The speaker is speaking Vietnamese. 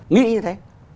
nghĩ như thế